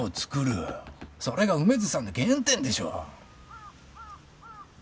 それが梅津さんの原点でしょ？